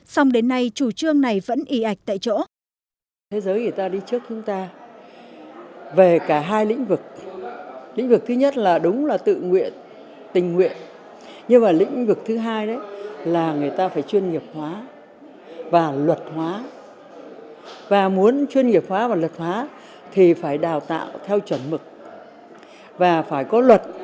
xong đến nay chủ trương này vẫn y ạch tại chỗ